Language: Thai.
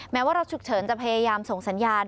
แม้ว่ารถฉุกเฉินจะพยายามส่งสัญญาณ